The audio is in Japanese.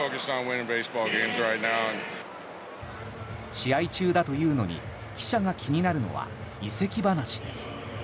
試合中だというのに記者が気になるのは移籍話です。